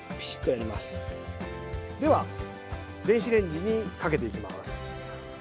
では電子レンジにかけていきます。